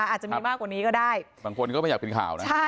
อาจจะมีมากกว่านี้ก็ได้บางคนก็ไม่อยากเป็นข่าวนะ